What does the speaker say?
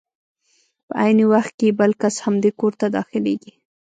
په عین وخت کې بل کس همدې کور ته داخلېږي.